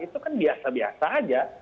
itu kan biasa biasa aja